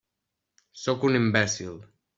Sóc un imbècil.